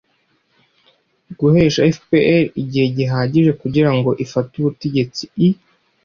guhesha fpr igihe gihagije kugira ngo ifate ubutegetsi i